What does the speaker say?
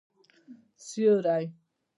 سیوری